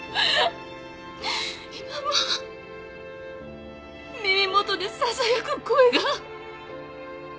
今も耳元でささやく声が。